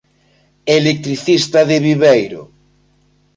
Electricista de Viveiro.